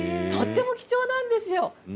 とても貴重なんですよ。